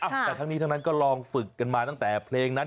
แต่ทั้งนี้ทั้งนั้นก็ลองฝึกกันมาตั้งแต่เพลงนั้น